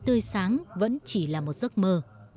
tươi sáng vẫn chỉ là một giấc mơ